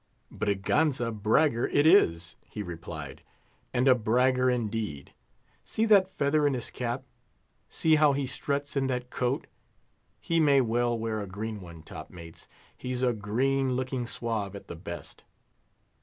"Braganza! bragger it is," he replied; "and a bragger, indeed. See that feather in his cap! See how he struts in that coat! He may well wear a green one, top mates—he's a green looking swab at the best."